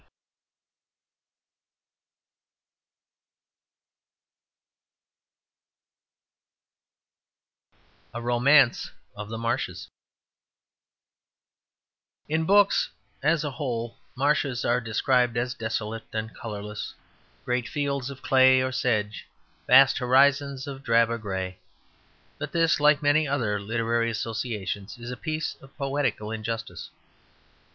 A Romance of the Marshes In books as a whole marshes are described as desolate and colourless, great fields of clay or sedge, vast horizons of drab or grey. But this, like many other literary associations, is a piece of poetical injustice.